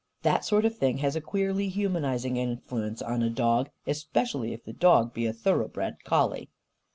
That sort of thing has a queerly humanising influence on a dog, especially if the dog be a thoroughbred collie.